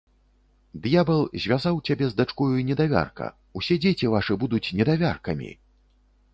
Д'ябал звязаў цябе з дачкою недавярка, усе дзеці вашы будуць недавяркамі!